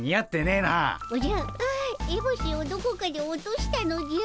おじゃエボシをどこかで落としたのじゃ。